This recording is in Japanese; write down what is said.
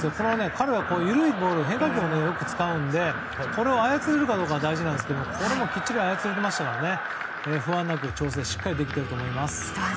彼は緩いボール変化球をよく使うのでこれを操れるかが大事なんですがきっちり操れていましたから不安なく調整がしっかりできていると思います。